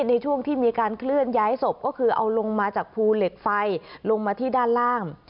ในช่วงที่มีการเคลื่อนย้ายศพก็คือเอาลงมาจากภูเหล็กไฟลงมาที่ด้านล่าง